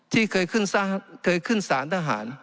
ที่เคยขึ้นสารทหาร